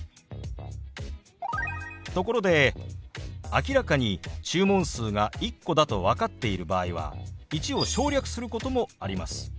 ところで明らかに注文数が１個だと分かっている場合は「１」を省略することもあります。